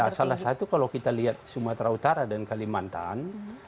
ya salah satu kalau kita lihat sumatera utara dan kalimantan